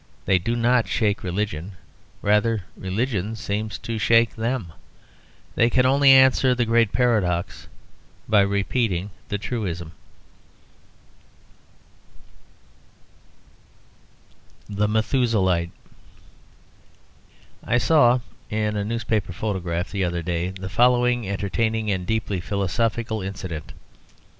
They do not shake religion: rather religion seems to shake them. They can only answer the great paradox by repeating the truism. THE METHUSELAHITE I Saw in a newspaper paragraph the other day the following entertaining and deeply philosophical incident.